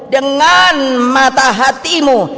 dengan mata hatimu